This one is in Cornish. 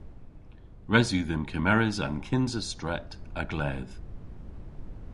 Res yw dhymm kemeres an kynsa stret a-gledh.